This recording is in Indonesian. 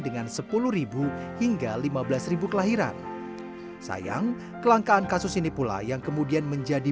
dengan sepuluh hingga lima belas kelahiran sayang kelangkaan kasus ini pula yang kemudian menjadi